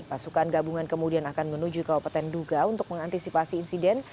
pasukan gabungan kemudian akan menuju kabupaten duga untuk mengantisipasi insiden